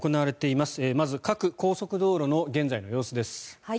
まず各高速道路の現在の様子です。